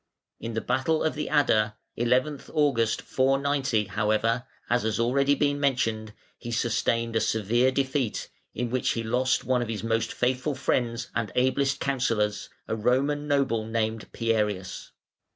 In the battle of the Adda, 11 August, 490, however, as has been already mentioned, he sustained a severe defeat, in which he lost one of his most faithful friends and ablest counsellors, a Roman noble named Pierius.